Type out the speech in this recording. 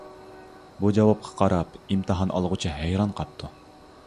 بۇ جاۋابقا قاراپ ئىمتىھان ئالغۇچى ھەيران قاپتۇ.